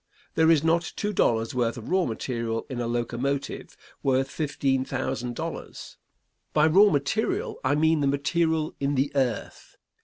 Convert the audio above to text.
There is not two dollars' worth of raw material in a locomotive worth fifteen thousand dollars. By raw material I mean the material in the earth.